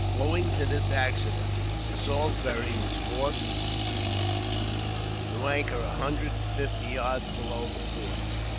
Owing to this accident, the Salisbury was forced to anchor a hundred and fifty yards below the fort.